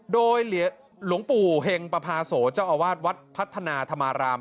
โดยหลวงปู่เห็งปภาโสเจ้าอาวาสวัดพัฒนาธรรมาราม